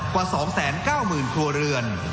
กว่า๒๙๐๐๐ครัวเรือน